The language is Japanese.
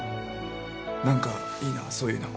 何かいいなそういうの。